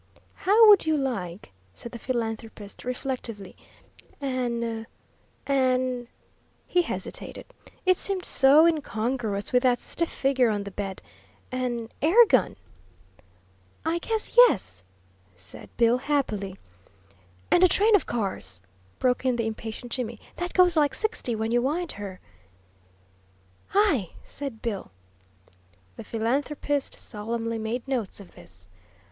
"How would you like," said the philanthropist, reflectively, "an an " he hesitated, it seemed so incongruous with that stiff figure on the bed "an airgun?" "I guess yes," said Bill, happily. "And a train of cars," broke in the impatient Jimmy, "that goes like sixty when you wind her?" "Hi!" said Bill. The philanthropist solemnly made notes of this.